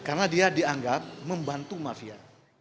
karena dia dianggap membantu mafia